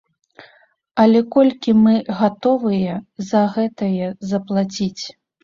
Але колькі мы гатовыя за гэтае заплаціць?